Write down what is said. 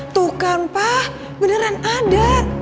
tuh kan pak beneran ada